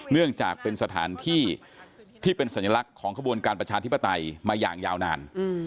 เนื่องจากเป็นสถานที่ที่เป็นสัญลักษณ์ของขบวนการประชาธิปไตยมาอย่างยาวนาน